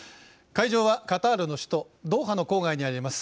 会場はカタールの首都ドーハの郊外にあります